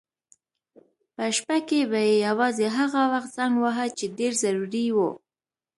په شپه کې به یې یوازې هغه وخت زنګ واهه چې ډېر ضروري و.